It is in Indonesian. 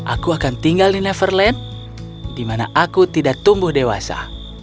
aku akan tinggal di neverland di mana aku tidak tumbuh dewasa